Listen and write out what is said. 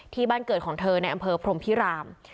ที่บ้านเกิดของเธอในอำเภอพรมพิราม